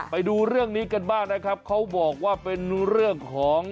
ไปดูเรื่องนี้กันบ้างนะครับเขาบอกว่าเป็นเรื่องของ